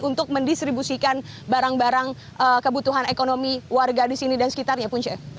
untuk mendistribusikan barang barang kebutuhan ekonomi warga di sini dan sekitarnya punca